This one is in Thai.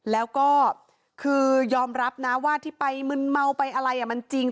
แล้วก็คือยอมรับนะว่าที่ไปมึนเมาไปอะไรมันจริง